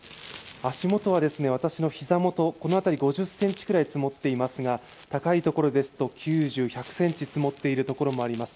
足元は私の膝元この辺り５０ｃｍぐらい積もっていますが、高いところですと９０１００ｃｍ積もっているところもあります。